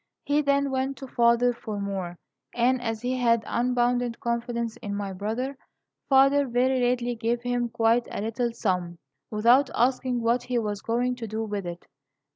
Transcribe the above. He then went to father for more, and, as he had unbounded confidence in my brother, father very readily gave him quite a little sum, without asking what he was going to do with it.